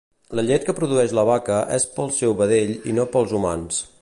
La llet que produeix la vaca és pel seu vedell i no pels humans